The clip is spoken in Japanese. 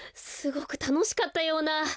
すごくたのしかったような。